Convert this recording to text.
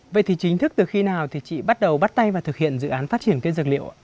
vậy thì chính thức từ khi nào thì chị bắt đầu bắt tay và thực hiện dự án phát triển cây dược liệu ạ